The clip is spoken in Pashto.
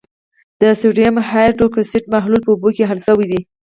د سوډیم هایدروکسایډ محلول په اوبو کې حل شوی دی.